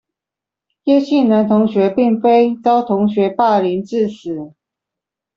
葉姓男同學並非遭同學霸凌致死